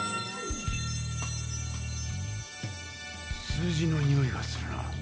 数字のにおいがするな。